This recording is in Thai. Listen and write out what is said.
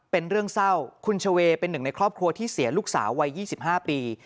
เป็นเรื่องเศร้าคุณชเวย์เป็นหนึ่งในครอบครัวที่เสียลูกสาววัย๒๕ปี